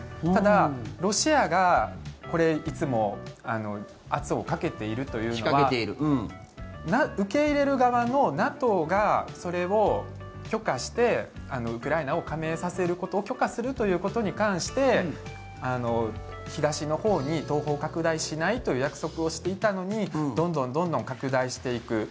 ただ、ロシアがいつも圧をかけているというのは受け入れる側のＮＡＴＯがそれを許可してウクライナを加盟させることを許可するということに関して東のほうに東方拡大しないという約束をしていたのにどんどん拡大していく。